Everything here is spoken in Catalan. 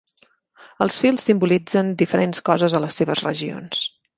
Els fils simbolitzen diferents coses a les seves regions.